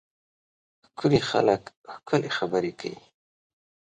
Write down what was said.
ښکلي خلک ښکلې خبرې کوي.